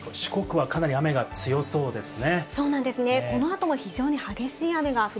四国はかなり雨が強そうですね。